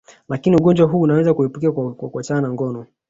Lakini ugonjwa huu unaweza kuepukika kwa kuachana na ngono